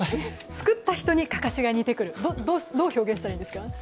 作った人にかかしが似てくるどう表現したらいいんですか。